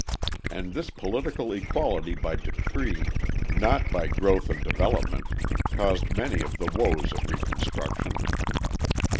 And this political equality by decree, not by growth and development, caused many of the woes of Reconstruction.